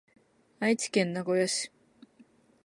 愛知県名古屋市